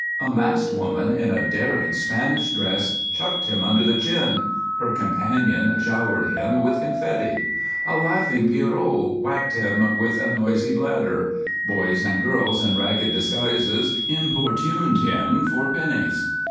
A masked woman in a daring Spanish dress chucked him under the chin; her companion showered him with confetti. A laughing Pierrot whacked him with a noisy bladder; boys and girls in ragged disguises importuned him for pennies.